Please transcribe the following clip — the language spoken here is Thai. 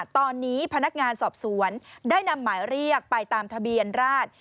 ตอนนี้พนักงานสอบสวนได้นำหมายเรียกไปตามทะเบียนราช